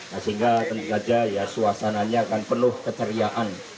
sehingga tentu saja suasananya kan penuh keceriaan